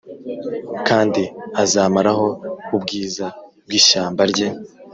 Kandi azamaraho ubwiza bw ishyamba rye